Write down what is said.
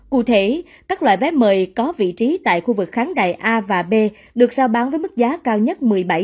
cụ thể các loại vé mời có vị trí tại khu vực kháng đài a và b được giao bán với mức giá cao nhất